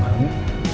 mas udah malu